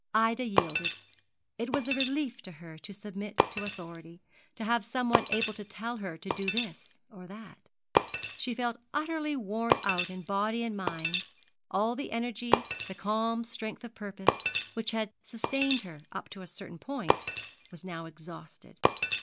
Ida yielded. It was a relief to her to submit to authority to have some one able to tell her to do this or that. She felt utterly worn out in body and mind all the energy, the calm strength of purpose, which had sustained her up to a certain point, was now exhausted.